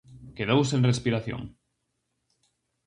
Quedou sen respiración.